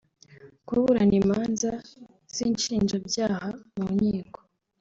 kuburana imanza z’inshinjabyaha mu nkiko